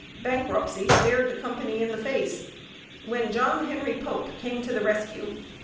Bankruptcy stared the company in the face when John Henry Pope came to the rescue.